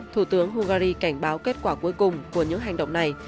thủ tướng hungary cảnh báo kết quả cuối cùng của những hành động này